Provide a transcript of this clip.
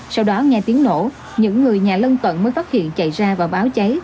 sau đó nghe tiếng nổ những người nhà lân cận mới phát hiện chạy ra và báo cháy